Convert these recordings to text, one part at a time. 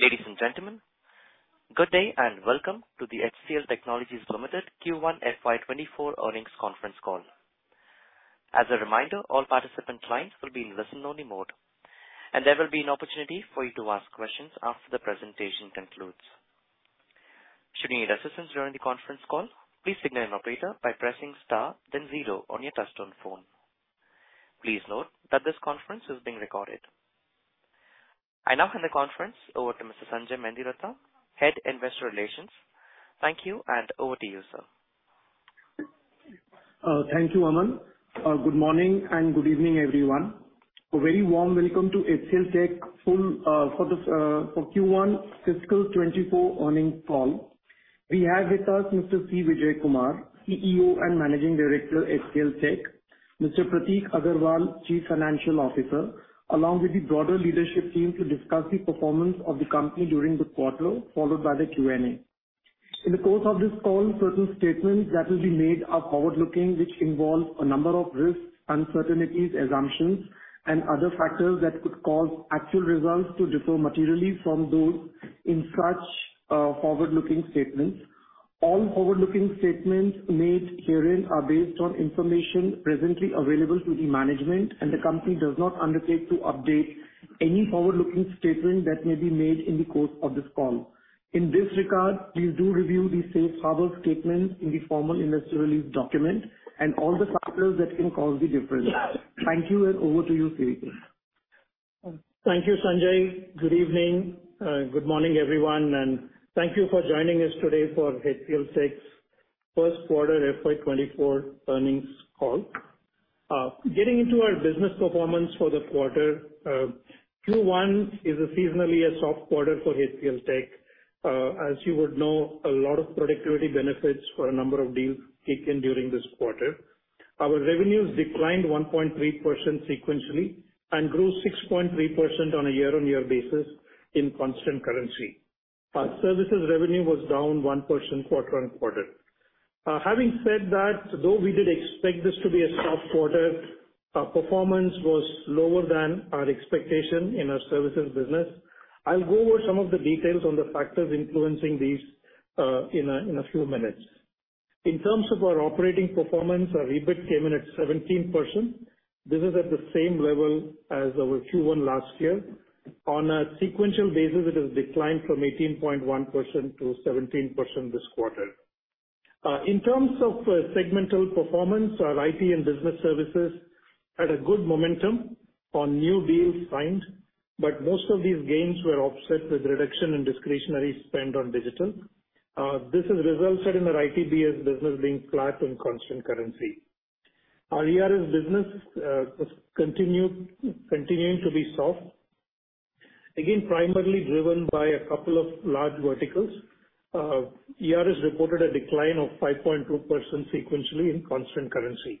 Ladies and gentlemen, good day, and welcome to the HCL Technologies Limited Q1 FY 2024 earnings conference call. As a reminder, all participant lines will be in listen-only mode, and there will be an opportunity for you to ask questions after the presentation concludes. Should you need assistance during the conference call, please signal an operator by pressing star then zero on your touchtone phone. Please note that this conference is being recorded. I now hand the conference over to Mr. Sanjay Mendiratta, Head, Investor Relations. Thank you, and over to you, sir. Thank you, Aman. Good morning and good evening, everyone. A very warm welcome to HCLTech full for Q1 fiscal 2024 earnings call. We have with us Mr. C. Vijayakumar, CEO and Managing Director, HCLTech, Mr. Prateek Aggarwal, Chief Financial Officer, along with the broader leadership team, to discuss the performance of the company during the quarter, followed by the Q&A. In the course of this call, certain statements that will be made are forward-looking, which involve a number of risks, uncertainties, assumptions, and other factors that could cause actual results to differ materially from those in such forward-looking statements. All forward-looking statements made herein are based on information presently available to the management. The company does not undertake to update any forward-looking statement that may be made in the course of this call. In this regard, please do review the safe harbor statement in the formal investor release document and all the factors that can cause the difference. Thank you. Over to you, CJ. Thank you, Sanjay. Good evening, good morning, everyone. Thank you for joining us today for HCLTech's Q1 FY 2024 earnings call. Getting into our business performance for the quarter, Q1 is a seasonally soft quarter for HCLTech. As you would know, a lot of productivity benefits for a number of deals kick in during this quarter. Our revenues declined 1.3% sequentially and grew 6.3% on a year-over-year basis in constant currency. Our services revenue was down 1% quarter-over-quarter. Having said that, though we did expect this to be a soft quarter, our performance was lower than our expectation in our services business. I'll go over some of the details on the factors influencing these in a few minutes. In terms of our operating performance, our EBIT came in at 17%. This is at the same level as our Q1 last year. On a sequential basis, it has declined from 18.1% to 17% this quarter. In terms of segmental performance, our IT and business services had a good momentum on new deals signed, but most of these gains were offset with reduction in discretionary spend on digital. This has resulted in our ITBS business being flat in constant currency. Our ERS business, continuing to be soft, again, primarily driven by a couple of large verticals. ERS reported a decline of 5.2% sequentially in constant currency.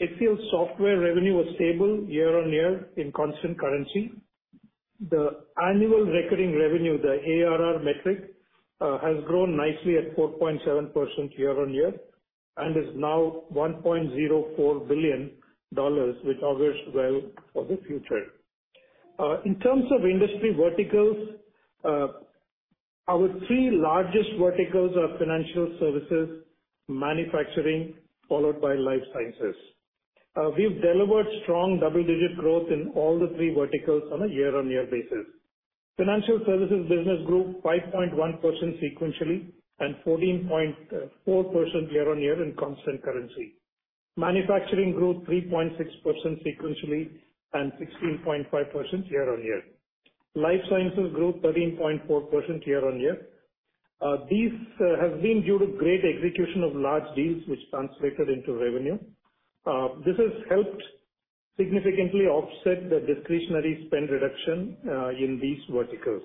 HCL's software revenue was stable year-on-year in constant currency. The annual recurring revenue, the ARR metric, has grown nicely at 4.7% year-on-year and is now $1.04 billion, which augurs well for the future. In terms of industry verticals, our 3 largest verticals are financial services, manufacturing, followed by life sciences. We've delivered strong double-digit growth in all the 3 verticals on a year-on-year basis. Financial services business grew 5.1% sequentially and 14.4% year-on-year in constant currency. Manufacturing grew 3.6% sequentially and 16.5% year-on-year. Life sciences grew 13.4% year-on-year. These have been due to great execution of large deals which translated into revenue. This has helped significantly offset the discretionary spend reduction in these verticals.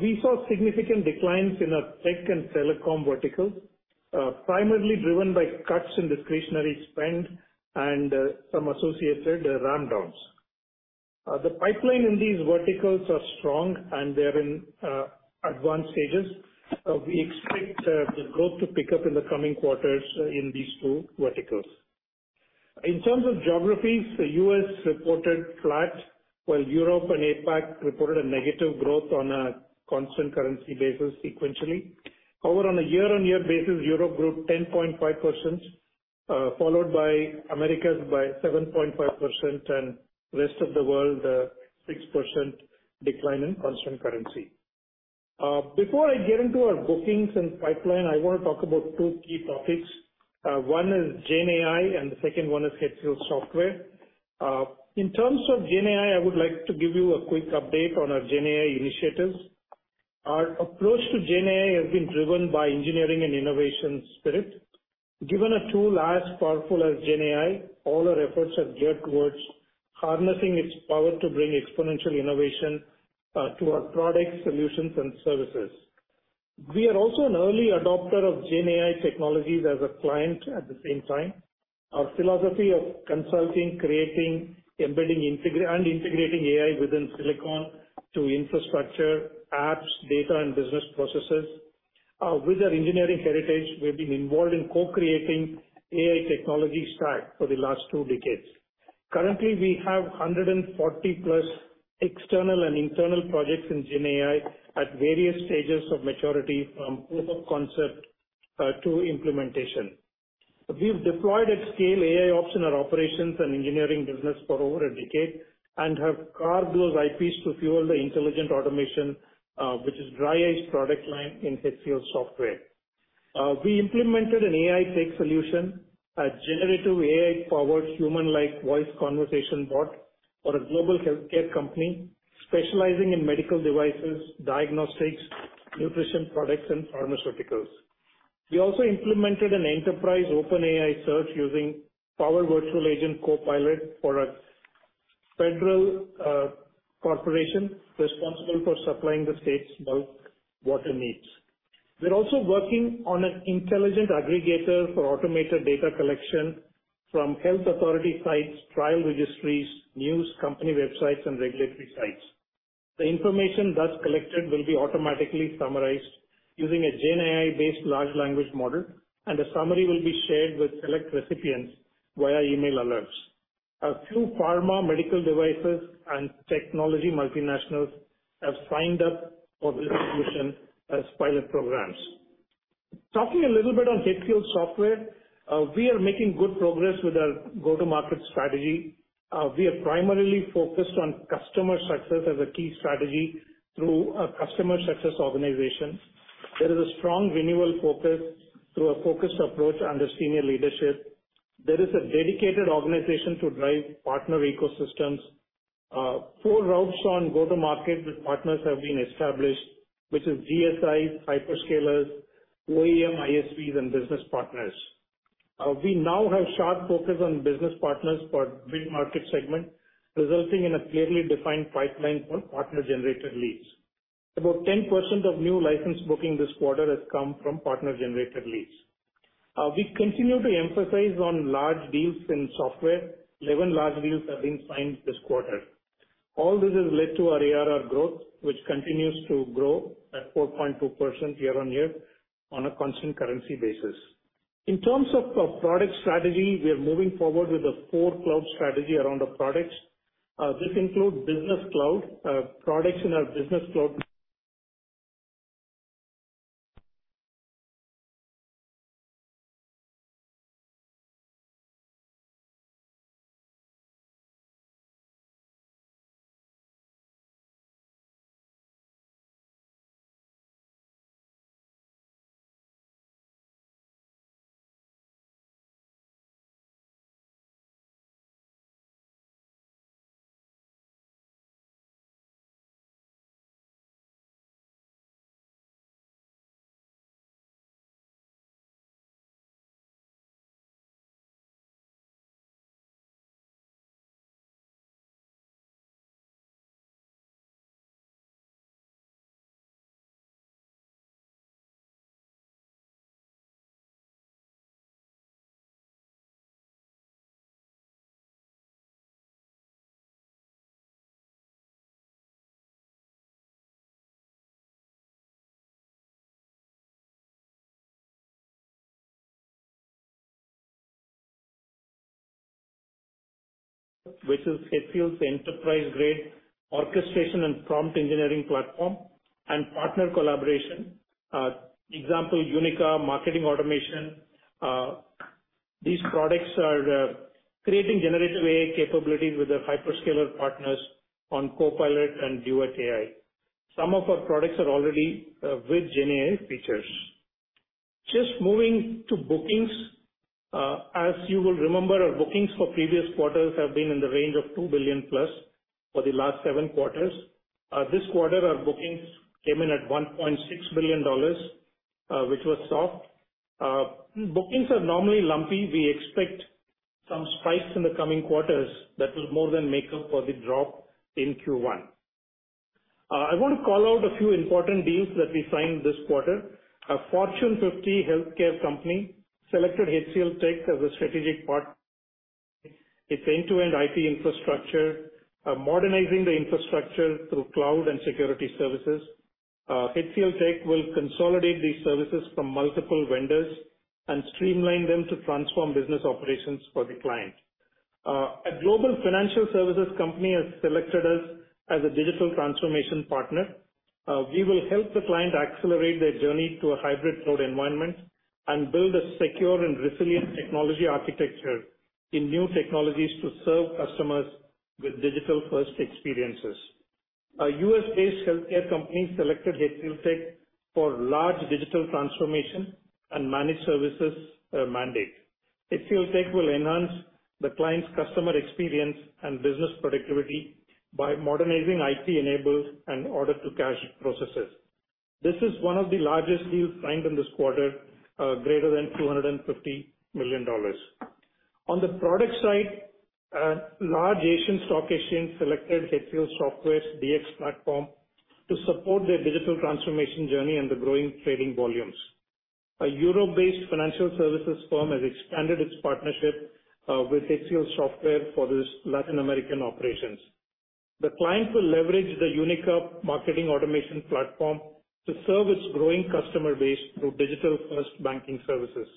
We saw significant declines in our tech and telecom verticals, primarily driven by cuts in discretionary spend and some associated ramp downs. The pipeline in these verticals are strong, and they're in advanced stages, so we expect the growth to pick up in the coming quarters in these two verticals. In terms of geographies, the U.S. reported flat, while Europe and APAC reported a negative growth on a constant currency basis sequentially. On a year-on-year basis, Europe grew 10.5%, followed by Americas by 7.5%, and rest of the world, 6% decline in constant currency. Before I get into our bookings and pipeline, I want to talk about two key topics. One is GenAI, and the second one is HCLSoftware. In terms of Gen AI, I would like to give you a quick update on our Gen AI initiatives. Our approach to Gen AI has been driven by engineering and innovation spirit. Given a tool as powerful as Gen AI, all our efforts have geared towards harnessing its power to bring exponential innovation to our products, solutions, and services. We are also an early adopter of Gen AI technologies as a client at the same time. Our philosophy of consulting, creating, embedding, and integrating AI within silicon to infrastructure, apps, data, and business processes. With our engineering heritage, we've been involved in co-creating AI technology stack for the last two decades. Currently, we have 140+ external and internal projects in GenAI at various stages of maturity, from proof of concept to implementation. We've deployed at scale AIOps in our operations and engineering business for over a decade, and have carved those IPs to fuel the intelligent automation, which is DRYiCE product line in HCLSoftware. We implemented an AI tech solution, a generative AI-powered human-like voice conversation bot for a global healthcare company specializing in medical devices, diagnostics, nutrition products, and pharmaceuticals. We also implemented an enterprise OpenAI search using Power Virtual Agents Copilot for a federal corporation responsible for supplying the state's bulk water needs. We're also working on an intelligent aggregator for automated data collection from health authority sites, trial registries, news, company websites, and regulatory sites. The information thus collected will be automatically summarized using a GenAI-based large language model, and a summary will be shared with select recipients via email alerts. A few pharma, medical devices, and technology multinationals have signed up for this solution as pilot programs. Talking a little bit on HCLSoftware, we are making good progress with our go-to-market strategy. We are primarily focused on customer success as a key strategy through a customer success organization. There is a strong renewal focus through a focused approach under senior leadership. There is a dedicated organization to drive partner ecosystems. Four routes on go-to-market with partners have been established, which is GSIs, hyperscalers, OEM/ISVs, and business partners. We now have sharp focus on business partners for big market segment, resulting in a clearly defined pipeline for partner-generated leads. About 10% of new license booking this quarter has come from partner-generated leads. We continue to emphasize on large deals in software. 11 large deals have been signed this quarter. All this has led to our ARR growth, which continues to grow at 4.2% year-over-year on a constant currency basis. In terms of our product strategy, we are moving forward with a four-cloud strategy around our products. This includes Business Cloud, products in our Business Cloud, which is HCL's enterprise-grade orchestration and prompt engineering platform and partner collaboration. Example, Unica marketing automation. These products are creating generative AI capabilities with the hyperscaler partners on Copilot and Duet AI. Some of our products are already with GenAI features. Just moving to bookings. As you will remember, our bookings for previous quarters have been in the range of $2 billion plus for the last seven quarters. This quarter, our bookings came in at $1.6 billion, which was soft. Bookings are normally lumpy. We expect some spikes in the coming quarters that will more than make up for the drop in Q1. I want to call out a few important deals that we signed this quarter. A Fortune 50 healthcare company selected HCLTech as a strategic part. Its end-to-end IT infrastructure, modernizing the infrastructure through cloud and security services. HCLTech will consolidate these services from multiple vendors and streamline them to transform business operations for the client. A global financial services company has selected us as a digital transformation partner. We will help the client accelerate their journey to a hybrid cloud environment and build a secure and resilient technology architecture in new technologies to serve customers with digital-first experiences. A U.S.-based healthcare company selected HCLTech for large digital transformation and managed services mandate. HCLTech will enhance the client's customer experience and business productivity by modernizing IT-enabled and order-to-cash processes. This is one of the largest deals signed in this quarter, greater than $250 million. On the product side, a large Asian stock exchange selected HCLSoftware's DX platform to support their digital transformation journey and the growing trading volumes. A Europe-based financial services firm has expanded its partnership with HCLSoftware for its Latin American operations. The client will leverage the Unica marketing automation platform to serve its growing customer base through digital-first banking services.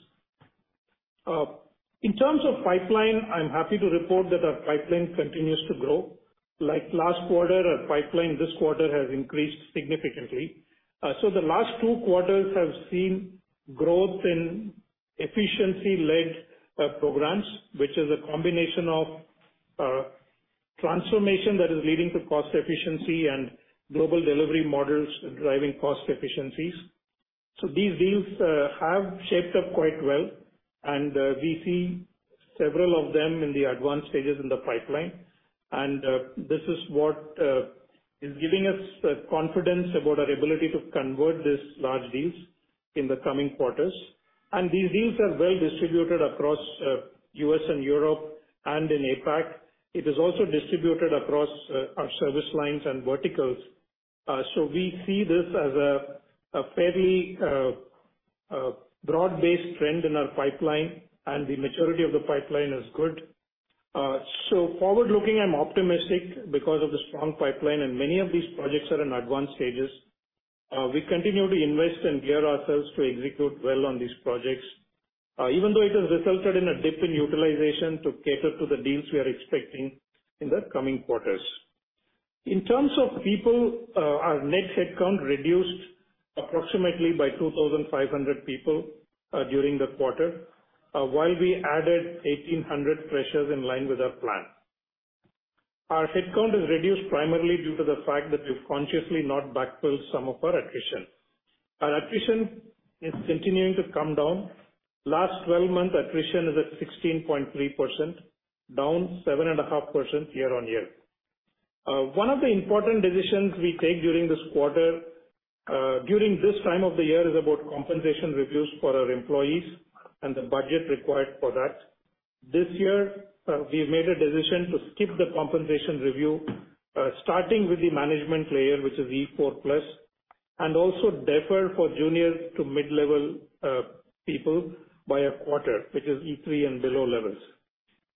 In terms of pipeline, I'm happy to report that our pipeline continues to grow. Like last quarter, our pipeline this quarter has increased significantly. The last two quarters have seen growth in efficiency-led programs, which is a combination of transformation that is leading to cost efficiency and global delivery models driving cost efficiencies. These deals have shaped up quite well, we see several of them in the advanced stages in the pipeline. This is what is giving us the confidence about our ability to convert these large deals in the coming quarters. These deals are well distributed across US and Europe and in APAC. It is also distributed across our service lines and verticals. We see this as a fairly broad-based trend in our pipeline, and the maturity of the pipeline is good. Forward-looking, I'm optimistic because of the strong pipeline, and many of these projects are in advanced stages. We continue to invest and gear ourselves to execute well on these projects, even though it has resulted in a dip in utilization to cater to the deals we are expecting in the coming quarters. In terms of people, our net headcount reduced approximately by 2,500 people during the quarter, while we added 1,800 freshers in line with our plan. Our headcount is reduced primarily due to the fact that we've consciously not backfilled some of our attrition. Our attrition is continuing to come down. LTM attrition is at 16.3%, down 7.5% year-on-year. One of the important decisions we take during this quarter, during this time of the year, is about compensation reviews for our employees and the budget required for that. This year, we have made a decision to skip the compensation review, starting with the management layer, which is E4+, and also defer for junior to mid-level people by a quarter, which is E3 and below levels.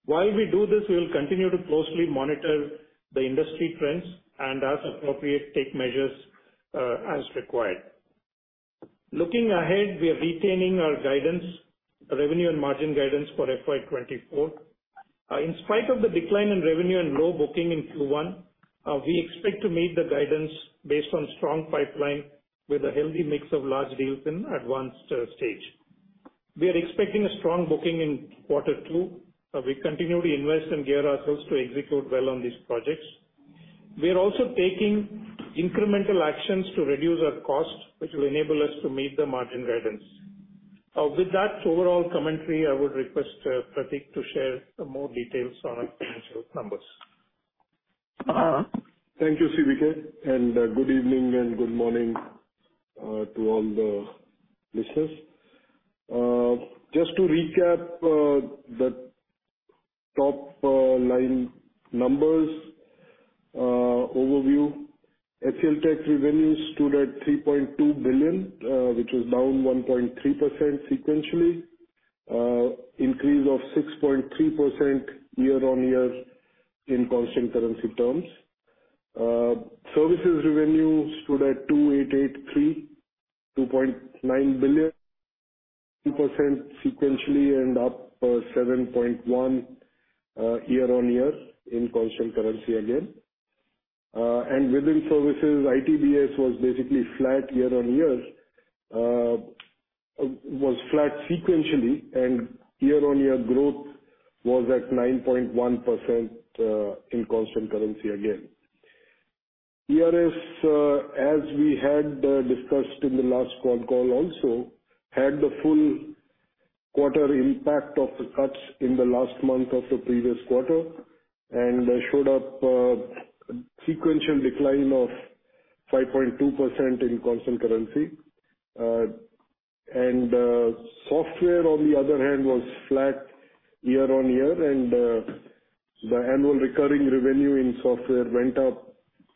While we do this, we will continue to closely monitor the industry trends and, as appropriate, take measures, as required. Looking ahead, we are retaining our guidance, revenue and margin guidance for FY 2024. In spite of the decline in revenue and low booking in Q1, we expect to meet the guidance based on strong pipeline with a healthy mix of large deals in advanced stage. We are expecting a strong booking in Q2, we continue to invest and gear ourselves to execute well on these projects. We are also taking incremental actions to reduce our costs, which will enable us to meet the margin guidance. With that overall commentary, I would request Prateek to share some more details on our financial numbers. Thank you, CVK, and good evening and good morning to all the listeners. Just to recap, the top line numbers overview. HCLTech revenue stood at $3.2 billion, which was down 1.3% sequentially, increase of 6.3% year-on-year in constant currency terms. Services revenue stood at $2,883, $2.9 billion, 2% sequentially and up 7.1% year-on-year in constant currency again. Within services, ITBS was basically flat year-on-year, was flat sequentially, and year-on-year growth was at 9.1% in constant currency again. ERS, as we had discussed in the last quad call, also, had the full quarter impact of the cuts in the last month of the previous quarter and showed up sequential decline of 5.2% in constant currency. Software, on the other hand, was flat year-on-year. The annual recurring revenue in software went up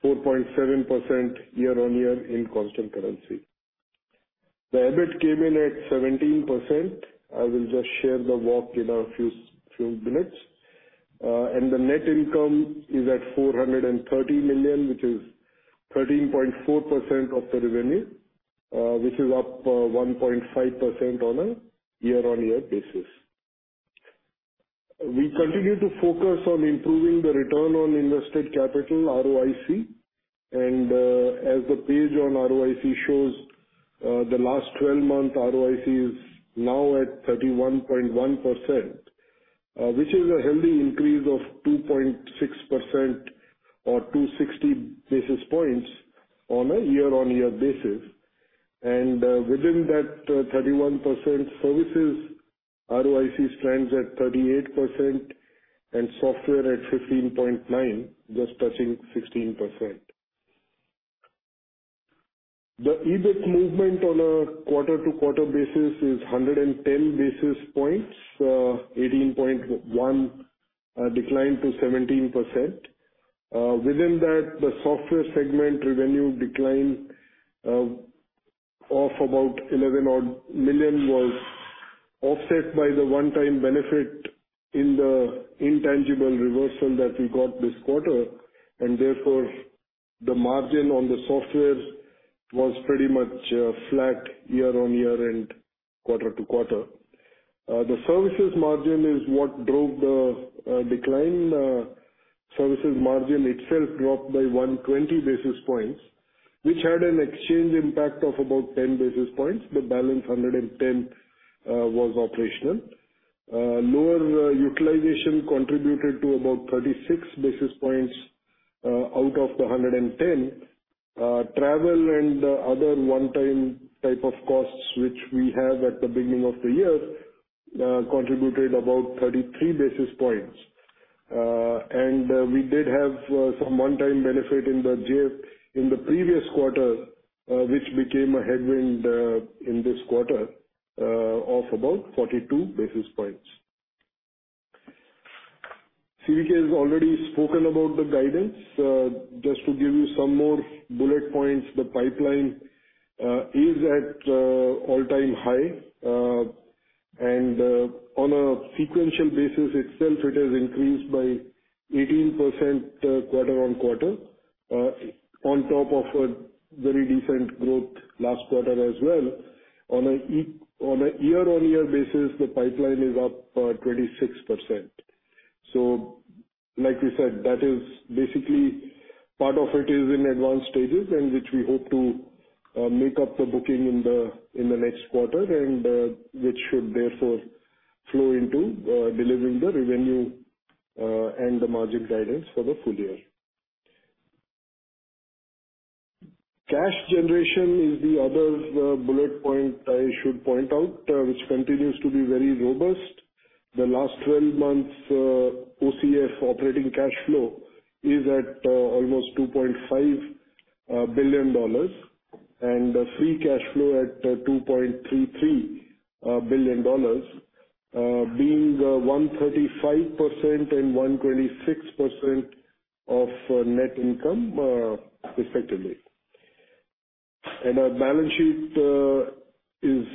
4.7% year-on-year in constant currency. The EBIT came in at 17%. I will just share the walk in a few minutes. The net income is at $430 million, which is 13.4% of the revenue, which is up 1.5% on a year-on-year basis. We continue to focus on improving the return on invested capital, ROIC, and as the page on ROIC shows, the last twelve-month ROIC is now at 31.1%, which is a healthy increase of 2.6% or 260 basis points on a year-on-year basis. Within that, 31%, services ROIC stands at 38% and software at 15.9, just touching 16%. The EBIT movement on a quarter-to-quarter basis is 110 basis points, 18.1, decline to 17%. Within that, the software segment revenue decline of about $11 million was offset by the one-time benefit in the intangible reversal that we got this quarter. Therefore, the margin on the software was pretty much flat year-on-year and quarter-to-quarter. The services margin is what drove the decline. Services margin itself dropped by 120 basis points, which had an exchange impact of about 10 basis points. The balance, 110, was operational. Lower utilization contributed to about 36 basis points out of the 110. Travel and other one-time type of costs, which we have at the beginning of the year, contributed about 33 basis points. We did have some one-time benefit in the JF in the previous quarter, which became a headwind in this quarter of about 42 basis points. CVK has already spoken about the guidance. Just to give you some more bullet points, the pipeline is at all-time high, and on a sequential basis itself, it has increased by 18% quarter-on-quarter, on top of a very decent growth last quarter as well. On a year-on-year basis, the pipeline is up 26%. Like we said, that is basically part of it is in advanced stages, and which we hope to make up the booking in the next quarter, and which should therefore flow into delivering the revenue and the margin guidance for the full year. Cash generation is the other bullet point I should point out, which continues to be very robust. The last 12 months, OCF, operating cash flow, is at almost $2.5 billion, and free cash flow at $2.33 billion, being 135% and 126% of net income, respectively. Our balance sheet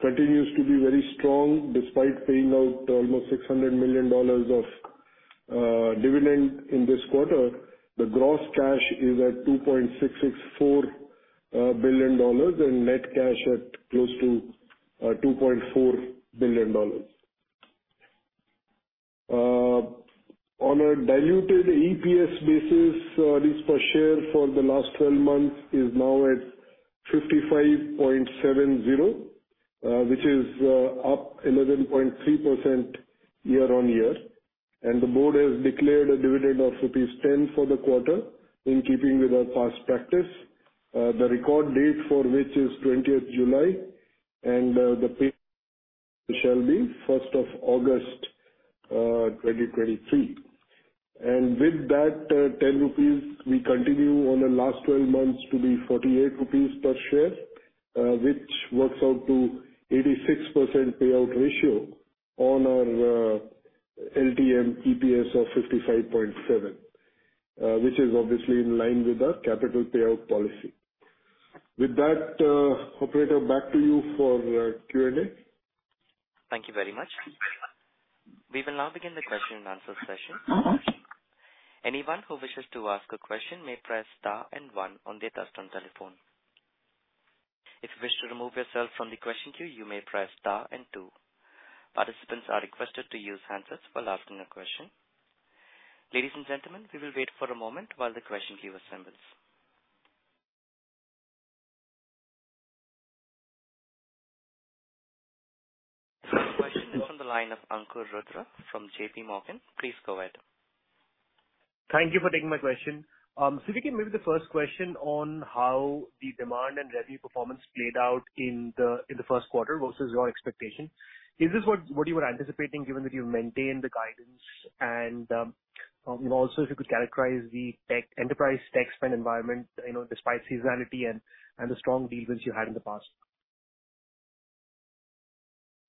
continues to be very strong. Despite paying out almost $600 million of dividend in this quarter, the gross cash is at $2.664 billion, and net cash at close to $2.4 billion. On a diluted EPS basis, this per share for the last 12 months is now at $55.70, which is up 11.3% year-on-year. The board has declared a dividend of rupees 10 for the quarter, in keeping with our past practice. The record date for which is 20th July, the pay shall be 1st of August, 2023. 10 rupees, we continue on the last 12 months to be 48 rupees per share, which works out to 86% payout ratio on our LTM EPS of 55.7, which is obviously in line with our capital payout policy. operator, back to you for Q&A. Thank you very much. We will now begin the question and answer session. Anyone who wishes to ask a question may press star one on their touchtone telephone. If you wish to remove yourself from the question queue, you may press star two. Participants are requested to use handsets while asking a question. Ladies and gentlemen, we will wait for a moment while the question queue assembles. The question is from the line of Ankur Rudra from JP Morgan. Please go ahead. Thank you for taking my question. We can maybe the first question on how the demand and revenue performance played out in the Q1 versus your expectation. Is this what you were anticipating, given that you maintained the guidance? Also if you could characterize the tech enterprise tech spend environment, you know, despite seasonality and the strong deals you had in the past.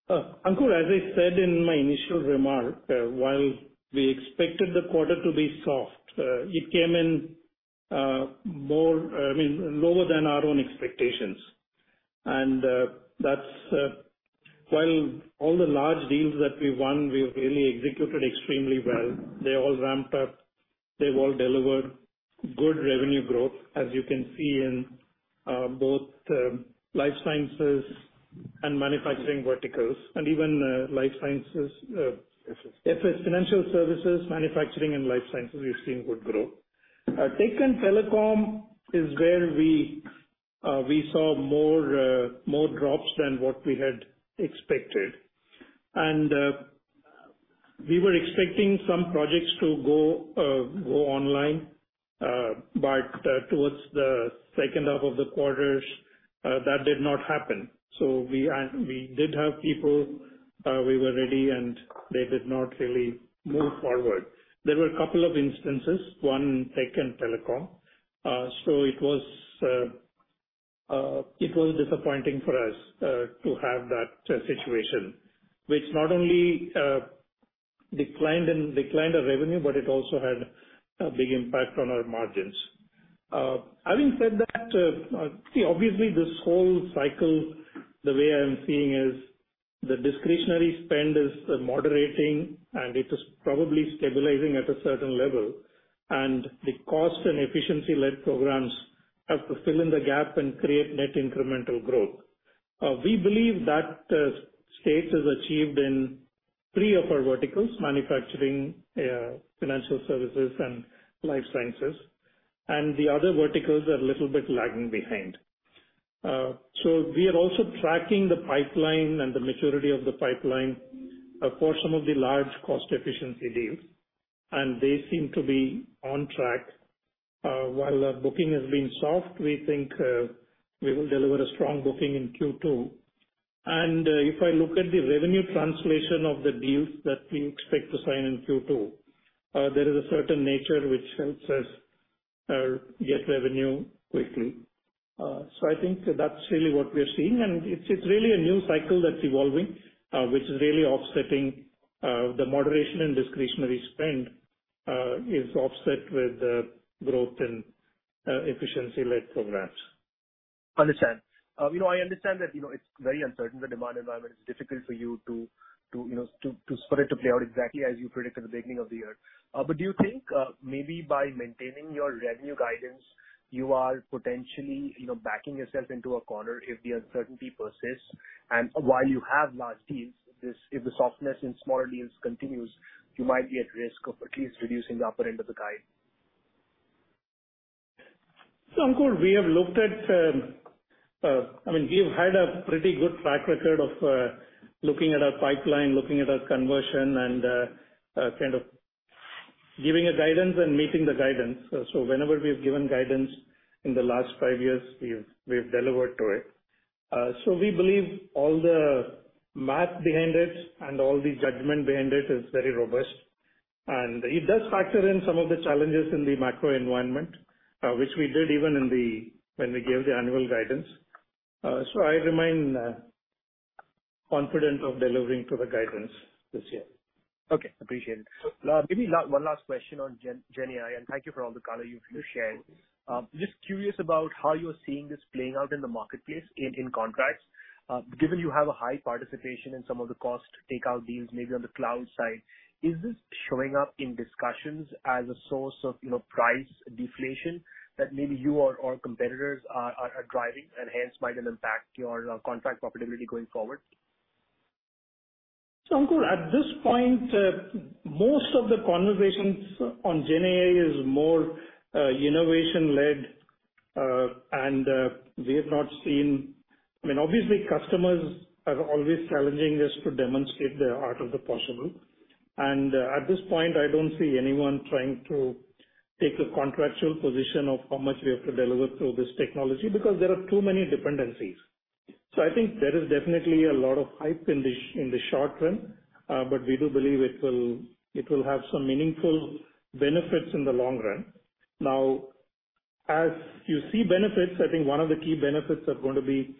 Ankur, as I said in my initial remark, while we expected the quarter to be soft, it came in, more, I mean, lower than our own expectations. That's, while all the large deals that we won, we really executed extremely well. They all ramped up. They all delivered good revenue growth, as you can see in, both, life sciences and manufacturing verticals. Even, life sciences, financial services, manufacturing and life sciences, we've seen good growth. Tech and Telecom is where we saw more drops than what we had expected. We were expecting some projects to go online, but towards the second half of the quarters, that did not happen. We add... We did have people, we were ready and they did not really move forward. There were a couple of instances, one, Tech and Telecom. it was. it was disappointing for us to have that situation, which not only declined and declined our revenue, but it also had a big impact on our margins. Having said that, obviously, this whole cycle, the way I am seeing is the discretionary spend is moderating, and it is probably stabilizing at a certain level, and the cost and efficiency-led programs have to fill in the gap and create net incremental growth. We believe that state is achieved in three of our verticals: manufacturing, financial services, and life sciences. The other verticals are a little bit lagging behind. We are also tracking the pipeline and the maturity of the pipeline for some of the large cost efficiency deals, and they seem to be on track. While our booking has been soft, we think, we will deliver a strong booking in Q2. If I look at the revenue translation of the deals that we expect to sign in Q2, there is a certain nature which helps us, get revenue quickly. I think that's really what we are seeing, and it's really a new cycle that's evolving, which is really offsetting, the moderation and discretionary spend, is offset with the growth in, efficiency-led programs. Understand. You know, I understand that, you know, it's very uncertain, the demand environment. It's difficult for you to, you know, for it to play out exactly as you predicted at the beginning of the year. Do you think, maybe by maintaining your revenue guidance, you are potentially, you know, backing yourself into a corner if the uncertainty persists? While you have large deals, if the softness in smaller deals continues, you might be at risk of at least reducing the upper end of the guide. Ankur, we have looked at, I mean, we've had a pretty good track record of looking at our pipeline, looking at our conversion, and kind of giving a guidance and meeting the guidance. Whenever we've given guidance in the last five years, we've delivered to it. We believe all the math behind it and all the judgment behind it is very robust. It does factor in some of the challenges in the macro environment, which we did even when we gave the annual guidance. I remain confident of delivering to the guidance this year. Okay, appreciate it. maybe one last question on GenAI, and thank you for all the color you've shared. Sure. Just curious about how you're seeing this playing out in the marketplace in contracts. Given you have a high participation in some of the cost take-out deals, maybe on the cloud side, is this showing up in discussions as a source of, you know, price deflation that maybe you or competitors are driving and hence might impact your contract profitability going forward? Ankur, at this point, most of the conversations on GenAI is more innovation-led, and we have not seen. I mean, obviously, customers are always challenging us to demonstrate the art of the possible. At this point, I don't see anyone trying to take a contractual position of how much we have to deliver through this technology, because there are too many dependencies. I think there is definitely a lot of hype in the, in the short run, but we do believe it will have some meaningful benefits in the long run. As you see benefits, I think one of the key benefits are going to be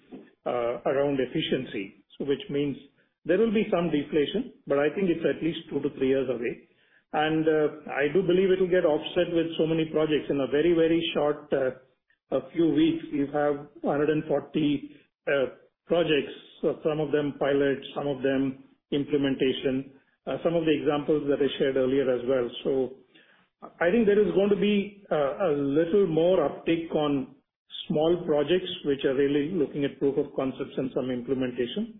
around efficiency, which means there will be some deflation, but I think it's at least two to three years away. I do believe it'll get offset with so many projects. In a very, very short, a few weeks, we have 140 projects, some of them pilot, some of them implementation, some of the examples that I shared earlier as well. I think there is going to be a little more uptake on small projects, which are really looking at proof of concepts and some implementation.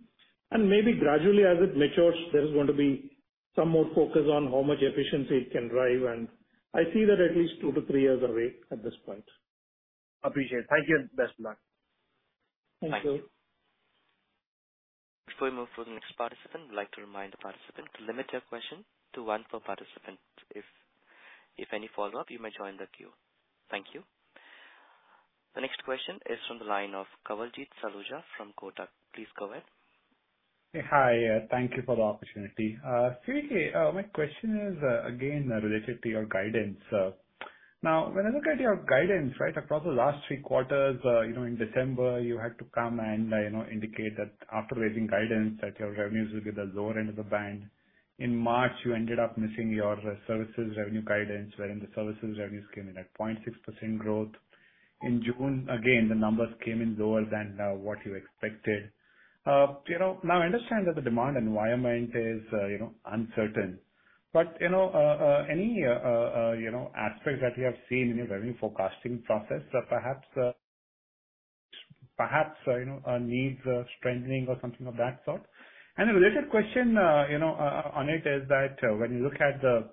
Maybe gradually, as it matures, there is going to be some more focus on how much efficiency it can drive, and I see that at least 2-3 years away at this point. Appreciate it. Thank you, and best of luck. Thank you. Before we move to the next participant, I'd like to remind the participant to limit your question to one per participant. If any follow-up, you may join the queue. Thank you. The next question is from the line of Kawaljeet Saluja from Kotak. Please go ahead. Hi, thank you for the opportunity. CVK, my question is, again, related to your guidance. Now, when I look at your guidance, right, across the last three quarters, you know, in December, you had to come and, you know, indicate that after raising guidance, that your revenues will be at the lower end of the band. In March, you ended up missing your services revenue guidance, wherein the services revenues came in at 0.6% growth. In June, again, the numbers came in lower than what you expected. You know, now I understand that the demand environment is, you know, uncertain, but, you know, any aspects that you have seen in your revenue forecasting process that perhaps, you know, needs strengthening or something of that sort? A related question, you know, on it is that, when you look at the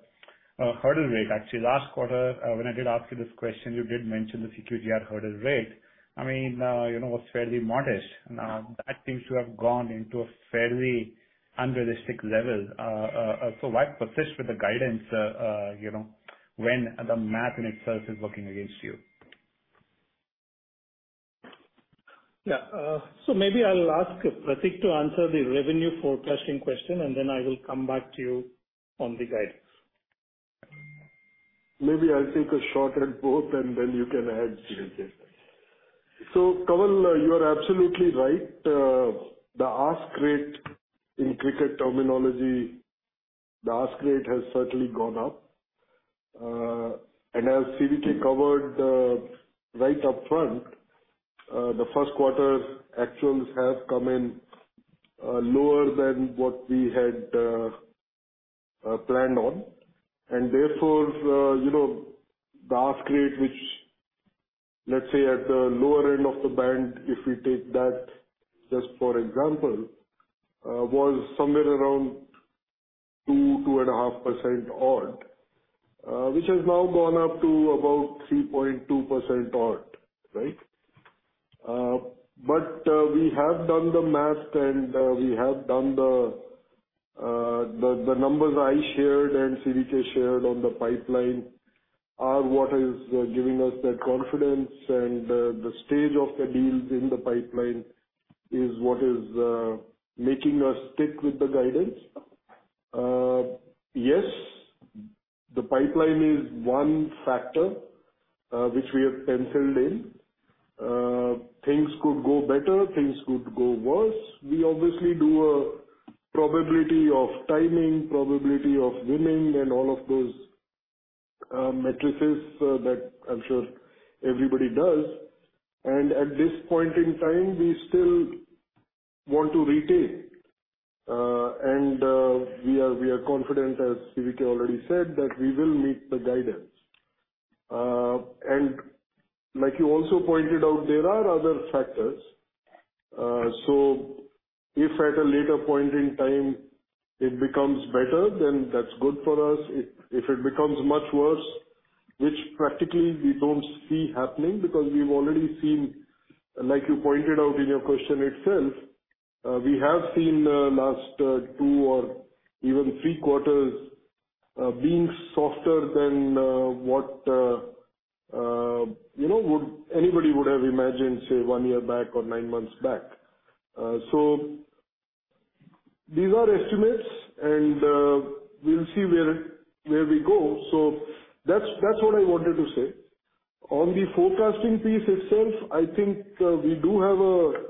hurdle rate, actually, last quarter, when I did ask you this question, you did mention the CQGR hurdle rate, I mean, you know, was fairly modest. That seems to have gone into a fairly unrealistic level. Why persist with the guidance, you know, when the math in itself is working against you? Maybe I'll ask Prateek to answer the revenue forecasting question, and then I will come back to you on the guide. Maybe I'll take a shot at both, and then you can add, CVK. Kawaljeet, you are absolutely right. The ask rate in cricket terminology, the ask rate has certainly gone up. As CVK covered, right up front, the Q1 actuals have come in lower than what we had planned on. Therefore, you know, the ask rate, which, let's say, at the lower end of the band, if we take that just for example, was somewhere around 2-2.5% odd, which has now gone up to about 3.2% odd, right? We have done the math, we have done the numbers I shared and CVK shared on the pipeline are what is giving us that confidence. The stage of the deals in the pipeline is what is making us stick with the guidance. Yes, the pipeline is one factor which we have penciled in. Things could go better, things could go worse. We obviously do a probability of timing, probability of winning, and all of those matrices that I'm sure everybody does. At this point in time, we still want to retain. We are confident, as CVK already said, that we will meet the guidance. Like you also pointed out, there are other factors. If at a later point in time it becomes better, then that's good for us. If it becomes much worse, which practically we don't see happening, because we've already seen, like you pointed out in your question itself, we have seen the last two or even three quarters being softer than what, you know, anybody would have imagined, say, one year back or nine months back. These are estimates, and we'll see where we go. That's what I wanted to say. On the forecasting piece itself, I think, we do have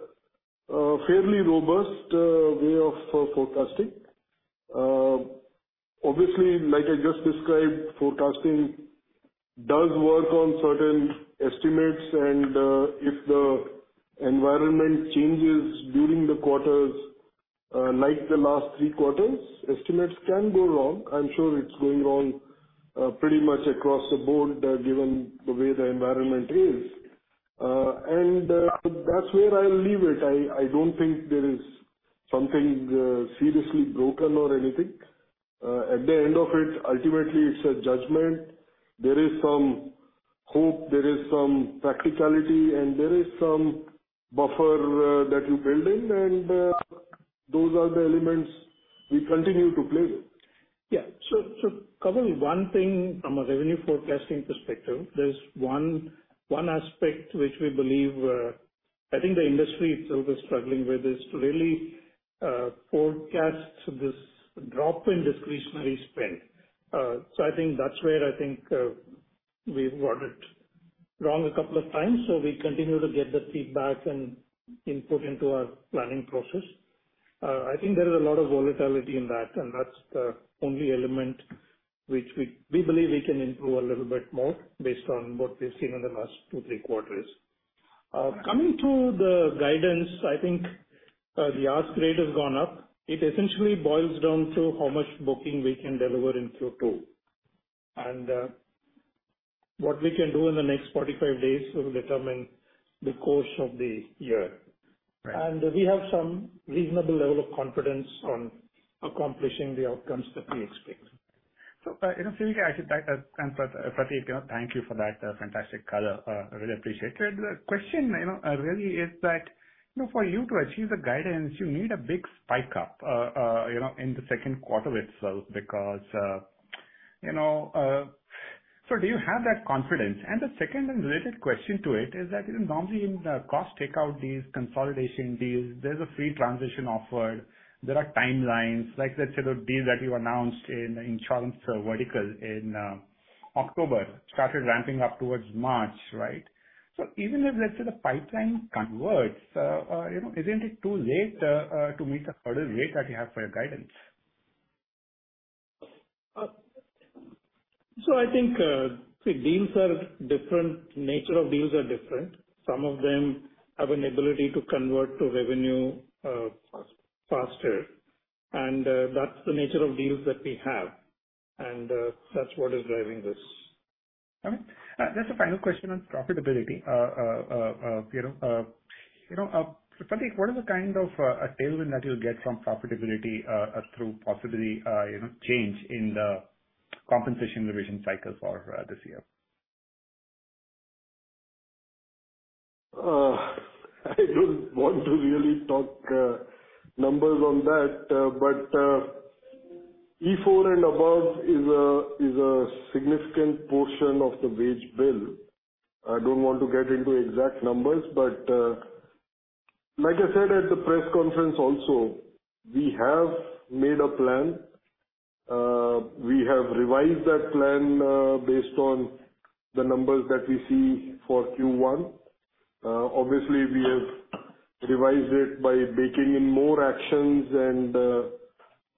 a fairly robust way of forecasting. Obviously, like I just described, forecasting does work on certain estimates, and if the environment changes during the quarters, like the last three quarters, estimates can go wrong. I'm sure it's going wrong, pretty much across the board, given the way the environment is. That's where I'll leave it. I don't think there is something seriously broken or anything. At the end of it, ultimately it's a judgment. There is some hope, there is some practicality, and there is some buffer that you build in. Those are the elements we continue to play with. Yeah. Kawaljeet, one thing from a revenue forecasting perspective, there's one aspect which we believe, I think the industry itself is struggling with, is to really forecast this drop in discretionary spend. I think that's where I think we've got it wrong a couple of times. We continue to get the feedback and input into our planning process. I think there is a lot of volatility in that, and that's the only element which we believe we can improve a little bit more based on what we've seen in the lasttwo, three quarters. Coming to the guidance, I think the ask rate has gone up. It essentially boils down to how much booking we can deliver in Q2. What we can do in the next 45 days will determine the course of the year. Right. We have some reasonable level of confidence on accomplishing the outcomes that we expect. You know, CVK, I should thank, and Prateek, you know, thank you for that fantastic color. I really appreciate it. The question, you know, really is that, you know, for you to achieve the guidance, you need a big spike up, you know, in the Q2 itself, because, you know... Do you have that confidence? The second and related question to it is that, you know, normally in the cost takeout deals, consolidation deals, there's a free transition offered, there are timelines. Like, let's say the deal that you announced in insurance vertical in October, started ramping up towards March, right? Even if, let's say, the pipeline converts, you know, isn't it too late to meet the hurdle rate that you have for your guidance? I think, see, deals are different, nature of deals are different. Some of them have an ability to convert to revenue, faster. That's the nature of deals that we have, and, that's what is driving this. All right. Just a final question on profitability. You know, you know, Prateek, what is the kind of a tailwind that you'll get from profitability through possibly, you know, change in the compensation revision cycle for this year? I don't want to really talk numbers on that. E4 and above is a significant portion of the wage bill. I don't want to get into exact numbers, but. Like I said, at the press conference also, we have made a plan. We have revised that plan, based on the numbers that we see for Q1. Obviously, we have revised it by baking in more actions and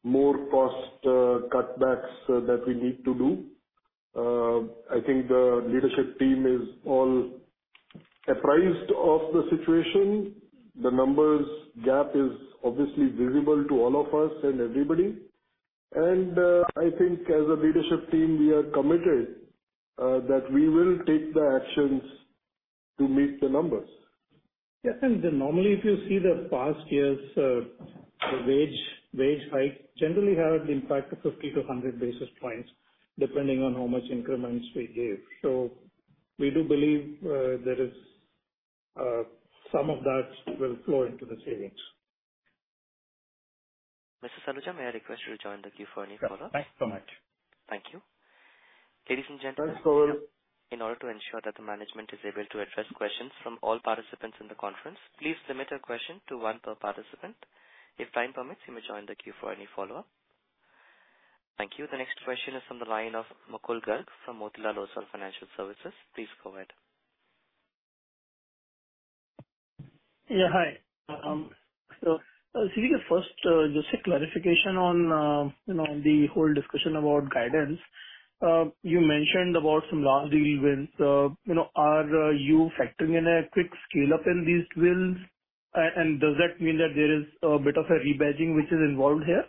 more cost cutbacks that we need to do. I think the leadership team is all apprised of the situation. The numbers gap is obviously visible to all of us and everybody, and I think as a leadership team, we are committed, that we will take the actions to meet the numbers. Normally, if you see the past years, the wage hike generally have an impact of 50 to 100 basis points, depending on how much increments we give. We do believe, there is, some of that will flow into the savings. Mr. Saluja, may I request you to join the queue for any follow-up? Thanks so much. Thank you. Ladies and gentlemen. Thanks, Kawaljeet. In order to ensure that the management is able to address questions from all participants in the conference, please limit your question to one per participant. If time permits, you may join the queue for any follow-up. Thank you. The next question is from the line of Mukul Garg from Motilal Oswal Financial Services. Please go ahead. Yeah, hi. CVK, first, just a clarification on, you know, the whole discussion about guidance. You mentioned about some large deal wins. You know, are you factoring in a quick scale-up in these wins? Does that mean that there is a bit of a rebadging which is involved here?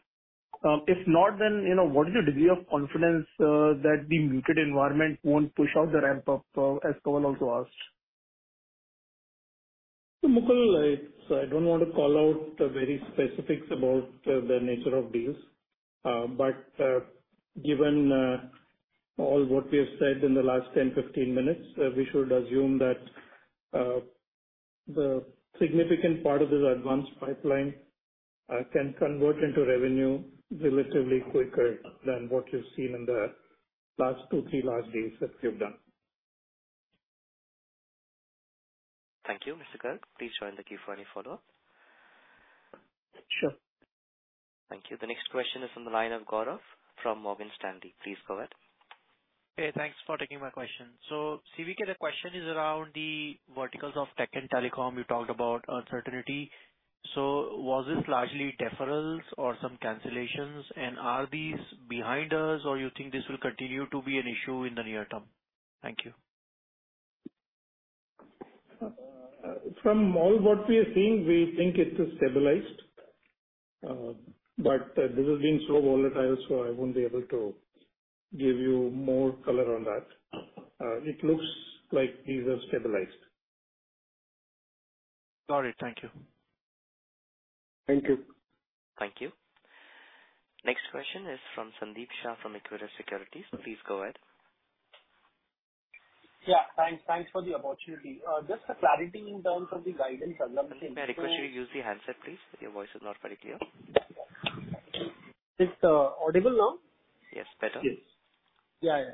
If not, then, you know, what is your degree of confidence that the muted environment won't push out the ramp up, as Kawaljeet also asked? Mukul, I don't want to call out the very specifics about the nature of deals. But given all what we have said in the last 10, 15 minutes, we should assume that the significant part of this advanced pipeline can convert into revenue relatively quicker than what you've seen in the lasttwo, three large deals that we've done. Thank you, Mr. Garg. Please join the queue for any follow-up. Sure. Thank you. The next question is from the line of Gaurav from Morgan Stanley. Please go ahead. Thanks for taking my question. CV, the question is around the verticals of tech and telecom. You talked about uncertainty. Was this largely deferrals or some cancellations, and are these behind us, or you think this will continue to be an issue in the near term? Thank you. From all what we are seeing, we think it is stabilized, but this has been so volatile, so I won't be able to give you more color on that. It looks like things have stabilized. Got it. Thank you. Thank you. Thank you. Next question is from Sandeep Shah, from Equirus Securities. Please go ahead. Yeah, thanks. Thanks for the opportunity. Just a clarity in terms of the guidance. Sandeep, may I request you to use the handset, please? Your voice is not very clear. Is it audible now? Yes, better. Yes. Yeah, yeah.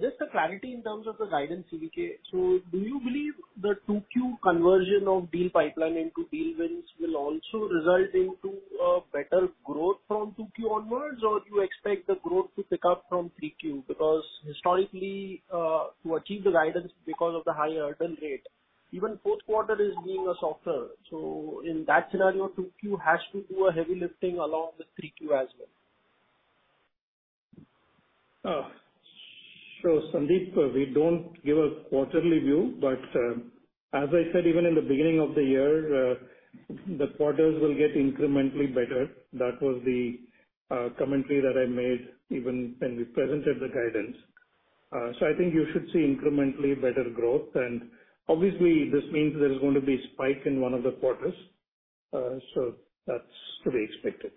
Just a clarity in terms of the guidance, CVK. Do you believe the 2Q conversion of deal pipeline into deal wins will also result into, a better growth from 2Q onwards, or you expect the growth to pick up from 3Q? Historically, to achieve the guidance because of the high earn rate, even fourth quarter is being a softer. In that scenario, 2Q has to do a heavy lifting along with 3Q as well. Sandeep, we don't give a quarterly view, but as I said, even in the beginning of the year, the quarters will get incrementally better. That was the commentary that I made even when we presented the guidance. I think you should see incrementally better growth, and obviously, this means there is going to be a spike in one of the quarters. That's to be expected.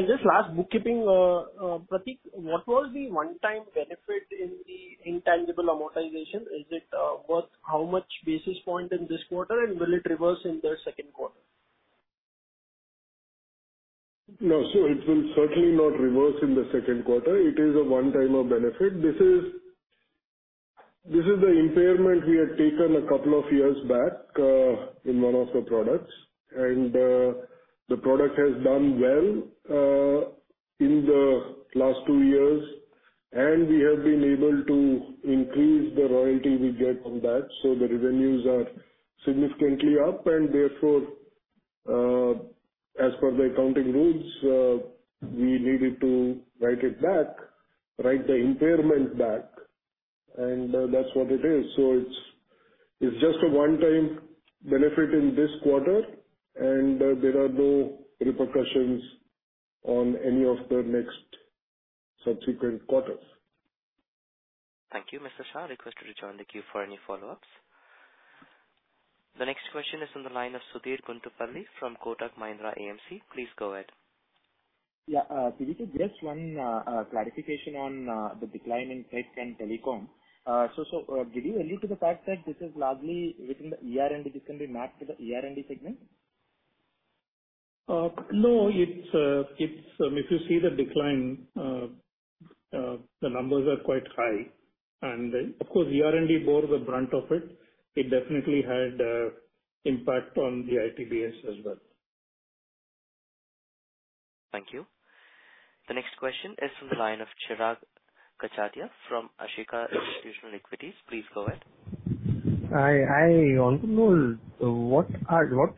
Just last bookkeeping, Prateek, what was the one-time benefit in the intangible amortization? Is it worth how much basis point in this quarter, and will it reverse in the Q2? No. It will certainly not reverse in the Q2. It is a one-timer benefit. This is the impairment we had taken a couple of years back in one of the products, and the product has done well in the last two years, and we have been able to increase the royalty we get from that. The revenues are significantly up, and therefore, as per the accounting rules, we needed to write it back, write the impairment back. That's what it is. It's just a one-time benefit in this quarter, and there are no repercussions on any of the next subsequent quarters. Thank you, Mr. Shah. I request you to join the queue for any follow-ups. The next question is on the line of Sudheer Guntupalli from Kotak Mahindra AMC. Please go ahead. Yeah, CV, just one clarification on the decline in tech and telecom. Did you allude to the fact that this is largely within the ER&D, this can be mapped to the ER&D segment? no, it's, if you see the decline, the numbers are quite high. Of course, ER&D bore the brunt of it. It definitely had impact on the ITBS as well. Thank you. The next question is from the line of Chirag Kachhadiya from Ashika Institutional Equities. Please go ahead. Hi, hi. I want to know, what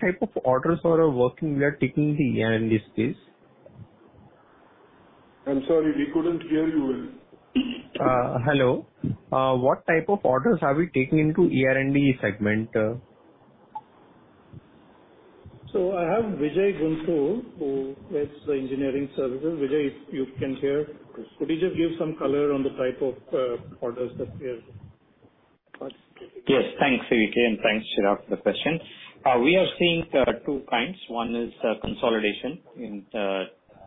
type of orders are working we are taking the ER&Ds, please? I'm sorry, we couldn't hear you well. Hello. What type of orders are we taking into ER&D segment? I have Vijay Guntur, who heads the engineering services. Vijay, if you can hear, could you just give some color on the type of orders that we have? Yes, thanks, CVK, and thanks, Chirag, for the question. We are seeing two kinds. One is consolidation in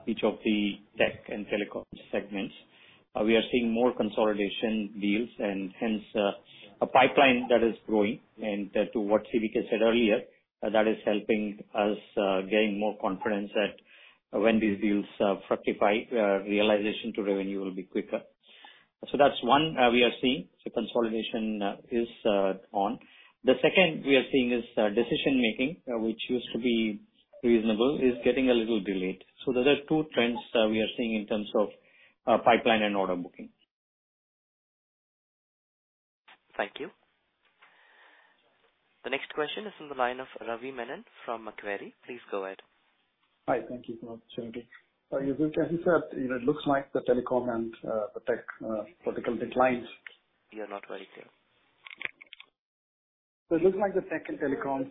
each of the tech and telecom segments. We are seeing more consolidation deals and hence a pipeline that is growing. To what CVK said earlier, that is helping us gain more confidence that when these deals fructify, realization to revenue will be quicker. That's one we are seeing. Consolidation is on. The second we are seeing is decision making, which used to be reasonable, is getting a little delayed. Those are two trends we are seeing in terms of pipeline and order booking. Thank you. The next question is from the line of Ravi Menon from Macquarie. Please go ahead. Hi, thank you for the opportunity. You said it looks like the telecom and the tech vertical declines. We are not very clear. It looks like the tech and telecom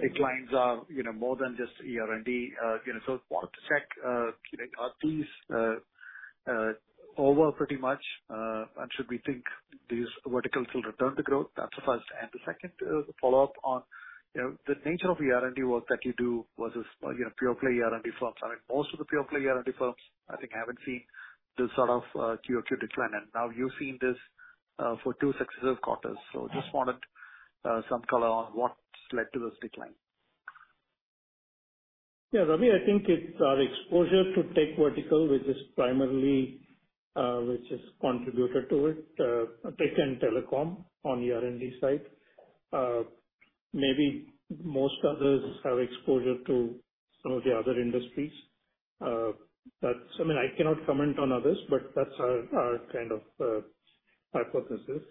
declines are, you know, more than just ER&D. You know, wanted to check, you know, are these over pretty much? Should we think these verticals will return to growth? That's the first. The second, follow-up on, you know, the nature of ER&D work that you do versus, you know, pure play ER&D firms. I think most of the pure play ER&D firms, I think, haven't seen this sort of QOQ decline. Now you've seen this for two successive quarters. Just wanted some color on what led to this decline. Yeah, Ravi, I think it's our exposure to tech vertical, which is primarily, which has contributed to it, tech and telecom on the R&D side. Maybe most others have exposure to some of the other industries. That's I mean, I cannot comment on others, but that's our kind of, hypothesis.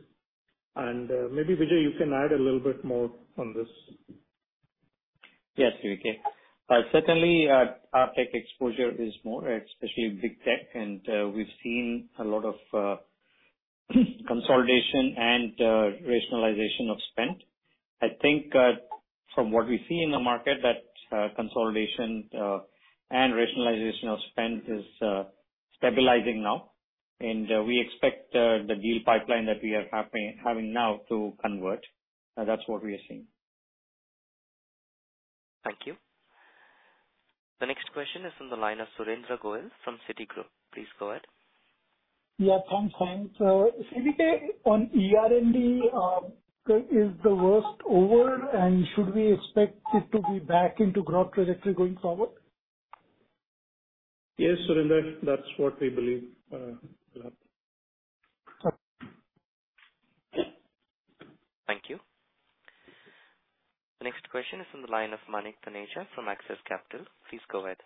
Maybe, Vijay, you can add a little bit more on this. Yes, CVK. Certainly, our tech exposure is more, especially big tech, and we've seen a lot of consolidation and rationalization of spend. I think, from what we see in the market, that consolidation and rationalization of spend is stabilizing now, and we expect the deal pipeline that we are having now to convert. That's what we are seeing. Thank you. The next question is from the line of Surendra Goyal from Citigroup. Please go ahead. Yeah, thanks. CVK, on ER&D, is the worst over, and should we expect it to be back into growth trajectory going forward? Yes, Surendra, that's what we believe, will happen. Okay. Thank you. The next question is from the line of Manik Taneja from Axis Capital. Please go ahead.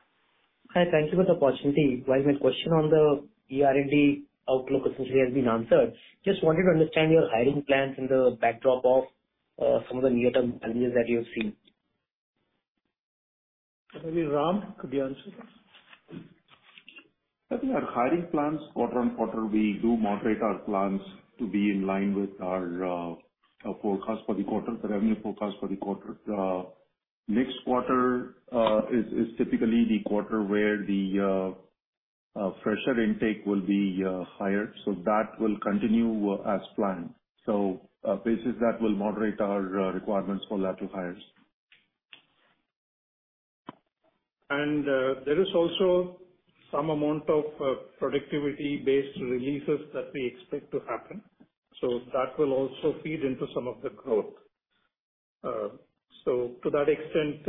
Hi, thank you for the opportunity. While my question on the ER&D outlook essentially has been answered, just wanted to understand your hiring plans in the backdrop of some of the near-term challenges that you're seeing. Maybe Ram, could you answer this? I think our hiring plans quarter on quarter, we do moderate our plans to be in line with our forecast for the quarter, the revenue forecast for the quarter. Next quarter is typically the quarter where the fresher intake will be higher. That will continue as planned. Basis that will moderate our requirements for lateral hires. There is also some amount of productivity-based releases that we expect to happen. That will also feed into some of the growth. To that extent,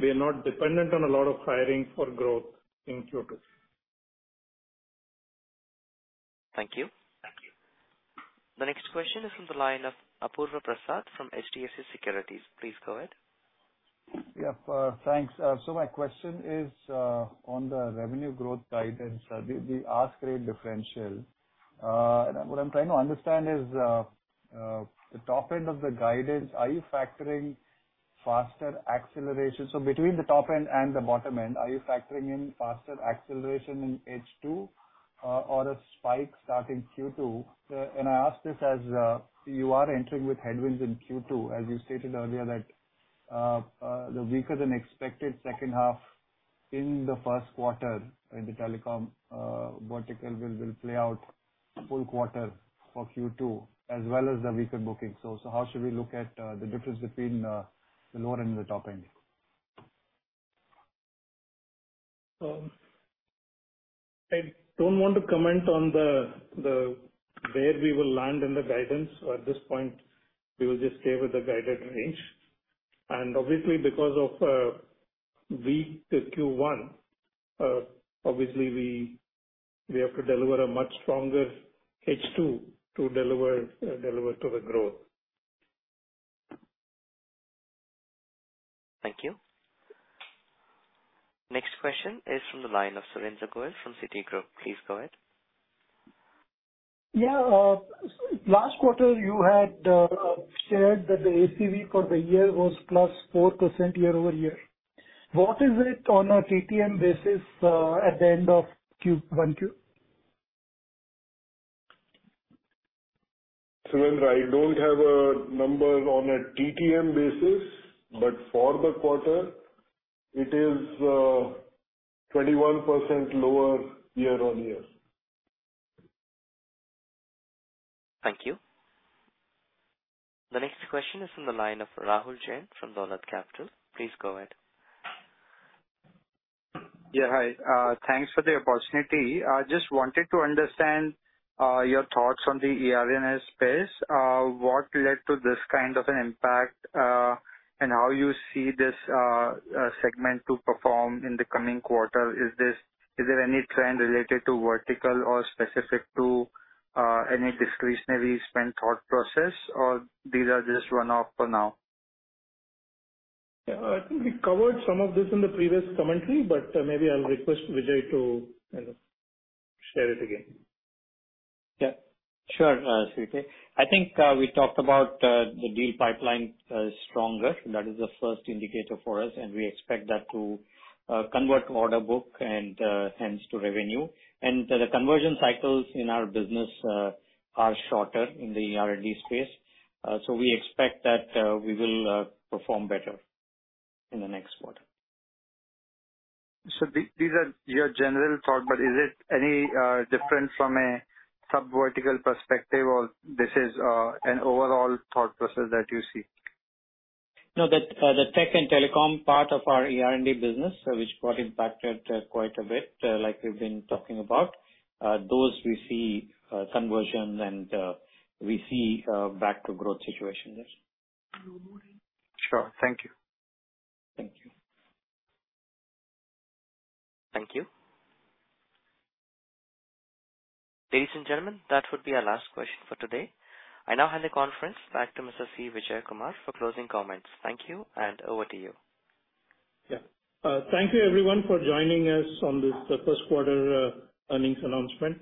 we are not dependent on a lot of hiring for growth in Q2. Thank you. Thank you. The next question is from the line of Apurva Prasad from HDFC Securities. Please go ahead. Yep, thanks. My question is on the revenue growth guidance, the ask rate differential. What I'm trying to understand is the top end of the guidance, are you factoring faster acceleration? Between the top end and the bottom end, are you factoring in faster acceleration in H2, or a spike starting Q2? I ask this as you are entering with headwinds in Q2, as you stated earlier, that the weaker than expected second half in the Q1 in the telecom vertical will play out full quarter for Q2, as well as the weaker bookings. How should we look at the difference between the lower end and the top end?... I don't want to comment on the where we will land in the guidance. At this point, we will just stay with the guided range. Obviously, because of weak Q1, obviously we have to deliver a much stronger H2 to deliver to the growth. Thank you. Next question is from the line of Surendra Goyal from Citigroup. Please go ahead. Yeah, last quarter, you had, shared that the ACV for the year was plus 4% year-over-year. What is it on a TTM basis, at the end of Q1? Surendra, I don't have a number on a TTM basis, but for the quarter, it is, 21% lower year-on-year. Thank you. The next question is from the line of Rahul Jain from Dolat Capital. Please go ahead. Hi. Thanks for the opportunity. I just wanted to understand your thoughts on the ER&D space. What led to this kind of an impact, and how you see this segment to perform in the coming quarter? Is there any trend related to vertical or specific to any discretionary spend thought process, or these are just one-off for now? I think we covered some of this in the previous commentary, but maybe I'll request Vijay to, you know, share it again. Sure, CVKkanth. I think we talked about the deal pipeline stronger. That is the first indicator for us, and we expect that to convert to order book and hence to revenue. The conversion cycles in our business are shorter in the R&D space. We expect that we will perform better in the next quarter. These are your general thought, but is it any different from a sub-vertical perspective, or this is an overall thought process that you see? No, the tech and telecom part of our ER&D business, which got impacted, quite a bit, like we've been talking about, those we see, conversion and, we see, back to growth situation there. Sure. Thank you. Thank you. Thank you. Ladies and gentlemen, that would be our last question for today. I now hand the conference back to Mr. C. Vijayakumar for closing comments. Thank you, and over to you. Yeah. Thank you, everyone, for joining us on this Q1 earnings announcement.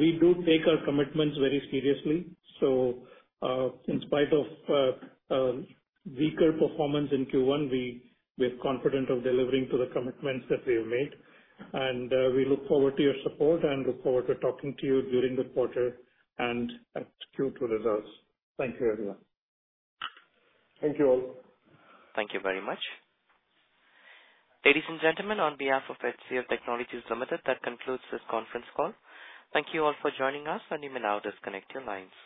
We do take our commitments very seriously, in spite of a weaker performance in Q1, we are confident of delivering to the commitments that we have made, we look forward to your support and look forward to talking to you during the quarter and at Q2 results. Thank you, everyone. Thank you all. Thank you very much. Ladies and gentlemen, on behalf of HCL Technologies Limited, that concludes this conference call. Thank you all for joining us. You may now disconnect your lines.